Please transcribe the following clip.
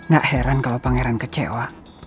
gak heran kalau pangeran kecewa